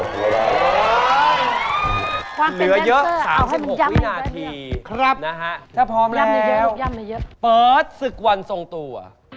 เหลือเยอะ๓๖วินาทีถ้าพร้อมแล้วเปิดศึกวันทรงตัว